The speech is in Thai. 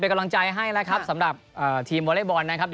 เป็นกำลังใจให้นะครับสำหรับทีมเบอร์เร้อบอลนั้นครับ